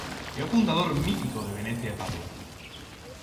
É o fundador mítico de Venecia e Padua.